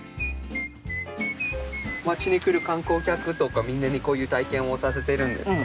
町に来る観光客とかみんなにこういう体験をさせてるんですか？